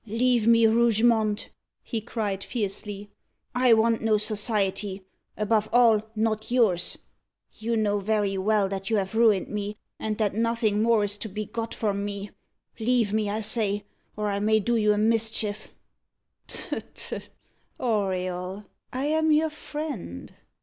"Leave me, Rougemont!" he cried fiercely. "I want no society above all, not yours. You know very well that you have ruined me, and that nothing more is to be got from me. Leave me, I say, or I may do you a mischief." "Tut, tut, Auriol, I am your friend!"